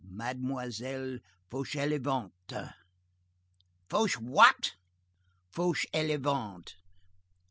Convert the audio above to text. "Mademoiselle Fauchelevent." "Fauchewhat?" "Fauchelevent."